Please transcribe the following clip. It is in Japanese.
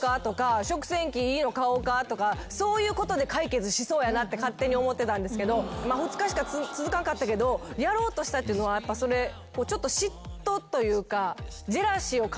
そういうことで解決しそうやなって勝手に思ってたんですけどまあ２日しか続かんかったけどやろうとしたっていうのはちょっと嫉妬というか。